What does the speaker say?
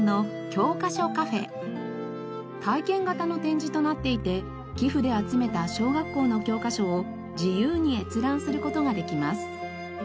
体験型の展示となっていて寄付で集めた小学校の教科書を自由に閲覧する事ができます。